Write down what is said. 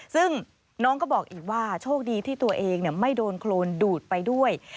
ซึ่งน้องก็บอกอีกว่าโชคดีที่ตัวเองไม่โดนโครนดูดไปด้วย